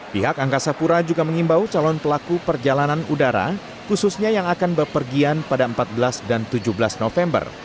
pihak angkasa pura juga mengimbau calon pelaku perjalanan udara khususnya yang akan berpergian pada empat belas dan tujuh belas november